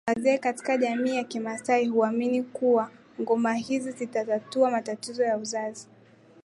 wazee katika jamii ya kimasai huamini kuwa ngoma hizi zitatatua matatizo ya uzazi